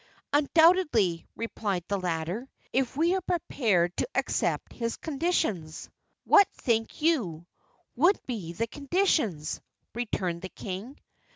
"Undoubtedly," replied the latter, "if we are prepared to accept his conditions." "What, think you, would be the conditions?" returned the king.